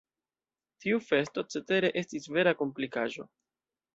Tiu festo cetere estis vera komplikaĵo.